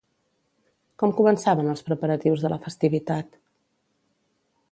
Com començaven els preparatius de la festivitat?